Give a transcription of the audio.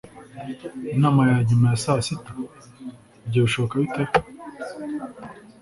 inama ya nyuma ya saa sita? ibyo bishoboka bite